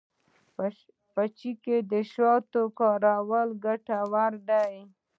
په چای کې د شاتو کارول ګټور دي.